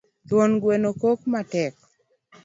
Thuon gweno kok matek